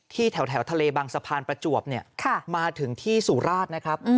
แถวทะเลบังสะพานประจวบมาถึงที่สุราชนะครับ